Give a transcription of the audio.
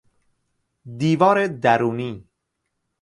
دیوار درونی